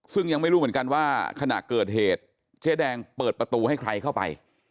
ซึ่งยังไม่รู้เหมือนกันว่าขณะเกิดเหตุเจ๊แดงเปิดประตูให้ใครเข้าไป